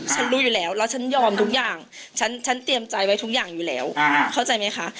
ฉันรู้อยู่แล้วแล้วฉันยอมทุกอย่างฉันเตรียมใจไว้ทุกอย่างอยู่แล้วเข้าใจไหมคะ